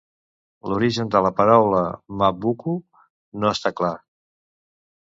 L'origen de la paraula "Mabvuku" no està clar.